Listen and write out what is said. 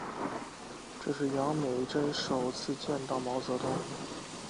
这是杨美真首次见到毛泽东。